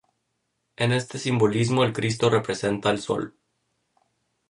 En este simbolismo el Cristo representa al Sol.